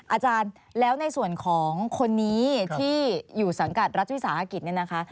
อาจารย์แล้วในส่วนของคนนี้ที่อยู่สังกัดรัฐวิสาหกิจเนี่ยนะคะ